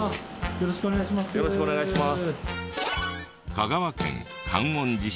よろしくお願いします。